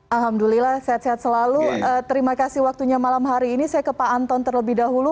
alhamdulillah sehat sehat selalu terima kasih waktunya malam hari ini saya ke pak anton terlebih dahulu